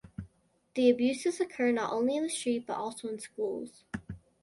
The abuses occur not only on the street but also in schools.